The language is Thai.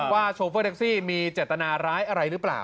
โชเฟอร์แท็กซี่มีเจตนาร้ายอะไรหรือเปล่า